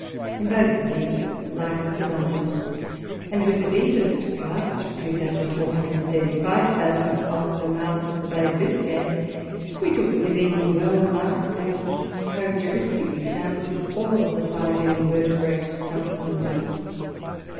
In both of these life was abundant; and with the deepest cast, 2,435 fathoms, off the month of the Bay of Biscay, we took living, well marked and characteristic examples of all the five invertebrate sub kingdoms.